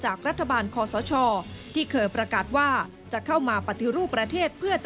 จากรัฐบาลขอสชที่เคยประกัดว่าจะเข้ามาปฏิรูปประเทศ